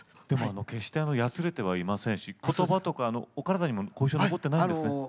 決してやつれていませんしことばとかお体に後遺症も残ってないですね。